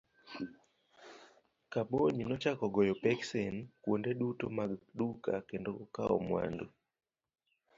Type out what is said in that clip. Kabonyi nochako goyo peksen kuonde duto mag duka kendo kawo mwandu.